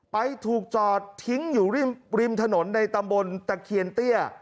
ไปถูกจอดทิ้งอยู่ริมถนนในตำบลตะเคียนเตี้ย